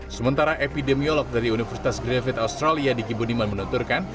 sementara epidemiolog dari universitas gravett australia di gibboniman menunturkan